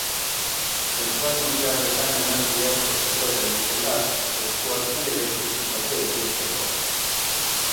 Zentral nuklearretan energia sortzeko erabiltzen da, eskuarki elektrizitate ekoizteko.